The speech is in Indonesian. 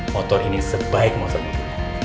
motor ini sebaik motor muda